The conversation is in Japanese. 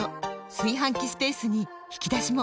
炊飯器スペースに引き出しも！